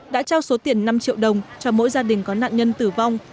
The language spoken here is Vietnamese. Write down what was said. đã trao số tiền năm triệu đồng cho mỗi gia đình có nạn nhân tử vong